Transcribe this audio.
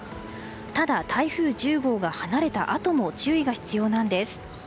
ただ、台風１０号が離れたあとも注意が必要なんです。